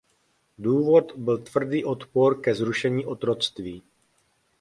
Důvod byl tvrdý odpor ke zrušení otroctví.